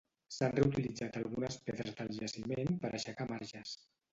S'han reutilitzat algunes pedres del jaciment per aixecar marges.